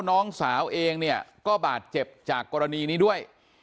น้องสาวเองเนี่ยก็บาดเจ็บจากกรณีนี้ด้วย